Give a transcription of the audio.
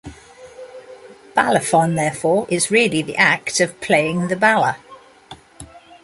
Balafon therefore is really the act of "playing the bala".